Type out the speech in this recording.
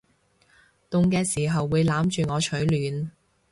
凍嘅時候會攬住我取暖